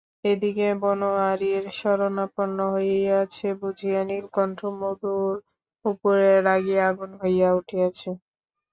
এ দিকে বনোয়ারির শরণাপন্ন হইয়াছে বুঝিয়া, নীলকণ্ঠ মধুর উপরে রাগিয়া আগুন হইয়া উঠিয়াছে।